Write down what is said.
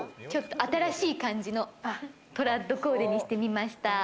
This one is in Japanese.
ちょっと新しい感じのトラッドコーデにしてみました。